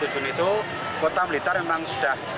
satu jun itu kota blitar memang sudah